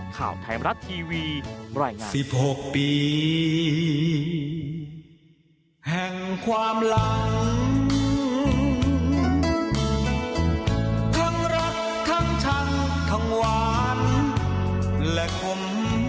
ข่าวไทยรัฐทีวีรายงาน